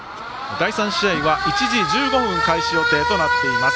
第３試合は１時１５分開始予定となっています。